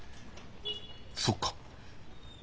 そっか。